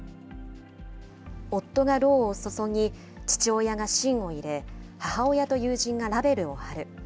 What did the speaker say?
夫がろうを注ぎ、父親が芯を入れ、母親と友人がラベルを貼る。